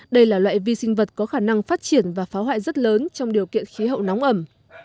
đây là loại vi sinh vật có khả năng phát triển và phá hoại rất lớn trong điều kiện khí hậu nóng ẩm